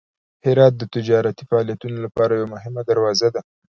هرات د تجارتي فعالیتونو لپاره یوه مهمه دروازه ده.